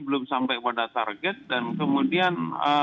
belum sampai pada target dan kemudian